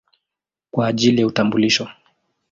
kwa ajili ya utambulisho.